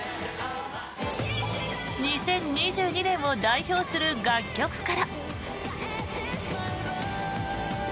２０２２年を代表する楽曲から。